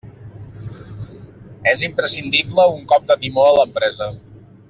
És imprescindible un cop de timó a l'empresa.